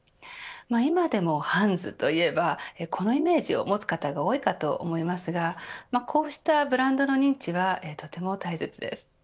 今でもハンズといえばこのイメージを持つ方が多いと思いますがこうしたブランドの認知はとても大切です。